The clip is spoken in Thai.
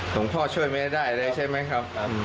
หลวงพ่อช่วยไม่ได้เลยใช่ไหมครับ